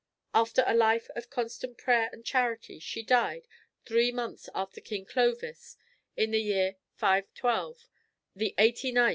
After a life of constant prayer and charity she died, three months after King Clovis, in the year 512, the 89th of her age.